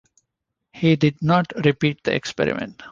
He did not repeat the experiment.